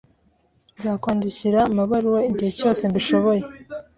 Nzakwandikira amabaruwa igihe cyose mbishoboye